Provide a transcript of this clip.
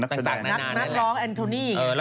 นักร้องแอนโทนี่